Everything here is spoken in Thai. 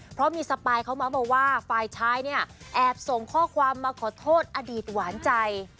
เพราะมีสปายเขาเมาส์มาว่าฝ่ายชายเนี่ยแอบส่งข้อความมาขอโทษอดีตหวานใจ